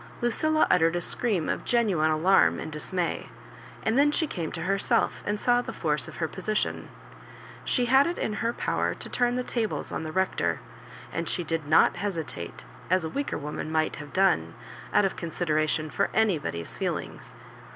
Lucilla uttered a scream of genuine alarm and dismay ; and then she came to herself, and saw the force of her position. She had it in her power to turn the tables on the Rector, and she did not hesitate, as a weaker woman might havo done, out of consideration for anybody's feelings.